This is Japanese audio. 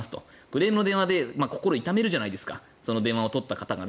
クレームの電話で心を痛めるじゃないですか電話を取った方が。